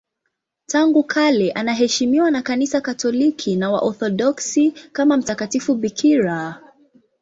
Tangu kale anaheshimiwa na Kanisa Katoliki na Waorthodoksi kama mtakatifu bikira.